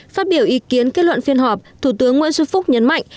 phát biểu ý kiến kết luận phiên họp thủ tướng nguyễn xuân phúc nhấn mạnh